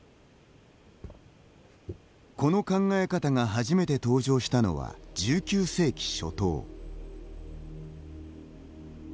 この考え方が初めて登場したのは１９世紀初頭。